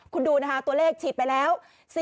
คุณดูนะคะตัวเลขฉีดไปแล้ว